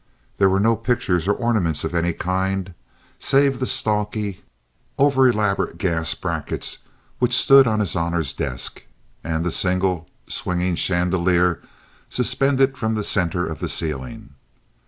There were no pictures or ornaments of any kind, save the stalky, over elaborated gas brackets which stood on his honor's desk, and the single swinging chandelier suspended from the center of the ceiling.